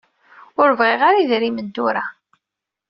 Ur bɣiɣ ara idrimen tura.